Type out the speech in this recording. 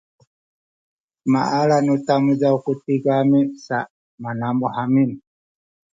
maala nu tademaw ku tigami sa manamuh amin